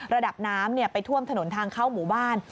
ระดับน้ำไปท่วมถนนทางเข้าหมู่บ้าน